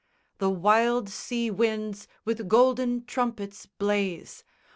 The wild sea winds with golden trumpets blaze!